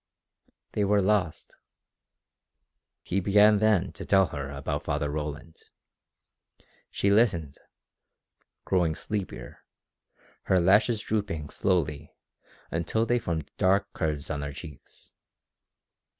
"They were lost." He began then to tell her about Father Roland. She listened, growing sleepier, her lashes drooping slowly until they formed dark curves on her cheeks.